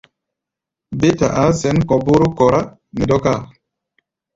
Bé ta a̧á̧ sɛ̌n kɔ̧ bóró kɔrá nɛ dɔ́káa.